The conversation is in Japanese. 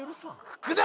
福田！